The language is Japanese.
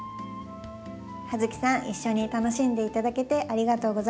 ハヅキさん一緒に楽しんでいただけてありがとうございます。